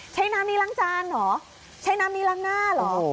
ใช้น้ำนี้ล้างจานเหรอใช้น้ำนี้ล้างหน้าเหรอ